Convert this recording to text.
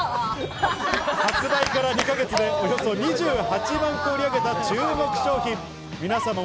発売から２か月でおよそ２８万個を売り上げた注目商品。